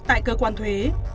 tại cơ quan thuế